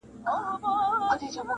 چي د حق ناره کړي پورته له ممبره.